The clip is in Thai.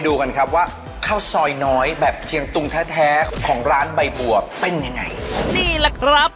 ดูกันครับว่าข้าวซอยน้อยแบบเชียงตุงแท้แท้ของร้านใบบัวเป็นยังไงนี่แหละครับ